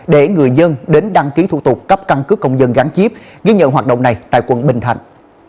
để người dân đến đăng ký thủ tục cấp căn cứ công dân gắn chip ghi nhận hoạt động này tại quận bình thạnh